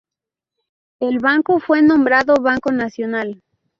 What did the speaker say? El banco fue nombrado Banco Nacional.